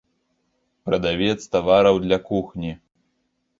Прадавец тавараў для кухні.